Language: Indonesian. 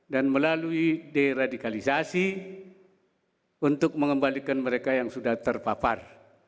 dan melalui deradikalisasi untuk mengembalikan mereka yang sudah terpapar